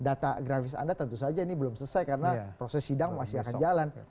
data grafis anda tentu saja ini belum selesai karena proses sidang masih akan jalan